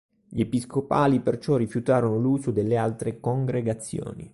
Gli Episcopali perciò rifiutarono l'uso delle altre congregazioni.